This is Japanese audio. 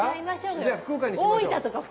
じゃあ福岡にしましょう。